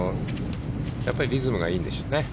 やっぱりリズムがいいんでしょうね。